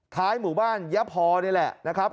หมู่บ้านยะพอนี่แหละนะครับ